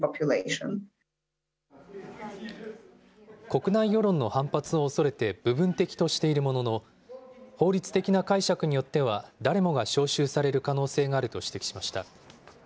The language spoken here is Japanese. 国内世論の反発をおそれて部分的としているものの、法律的な解釈によっては、誰もが招集される可能性があると指摘しました。